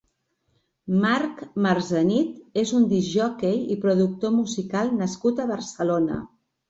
Marc Marzenit és un discjòquei i productor musical nascut a Barcelona.